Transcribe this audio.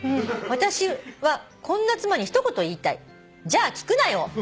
「私はこんな妻に一言言いたい」「じゃあ聞くなよ」